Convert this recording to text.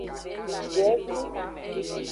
Dwevi.